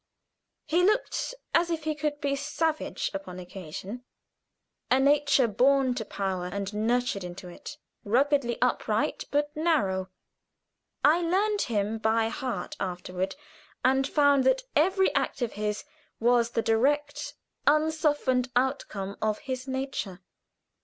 He looked as if he could be savage upon occasion; a nature born to power and nurtured in it. Ruggedly upright, but narrow. I learned him by heart afterward, and found that every act of his was the direct, unsoftened outcome of his nature.